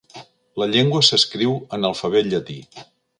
La llengua s'escriu en alfabet llatí.